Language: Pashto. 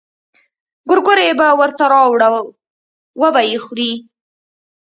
ګورګورې به ورته راوړو وبه يې خوري.